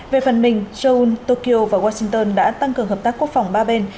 về phần mình seoul tokyo và washington đã tăng cường hợp tác quốc phòng ba bên